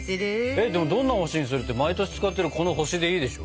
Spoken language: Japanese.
えっどんな星にするって毎年使ってるこの星でいいでしょ？